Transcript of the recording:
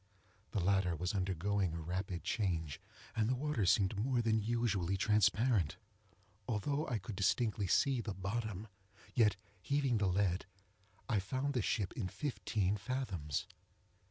The latter was undergoing a rapid change, and the water seemed more than usually transparent. Although I could distinctly see the bottom, yet, heaving the lead, I found the ship in fifteen fathoms.